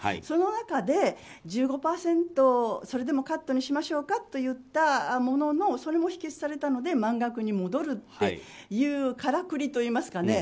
その中で１５％、それでもカットにしましょうかと言ったもののそれも否決されたので満額に戻るというからくりといいますか。